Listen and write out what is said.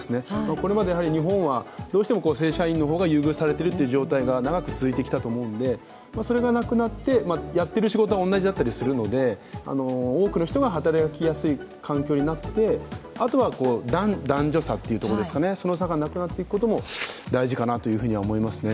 これまで、日本はどうしても正社員の方が優遇されているっていうのが長く続いてきたと思うので、それがなくなってやっている仕事が同じだったりするので多くの人が働きやすくなってあとは男女差っていうのがなくなっていくことも大事かなと思いますね。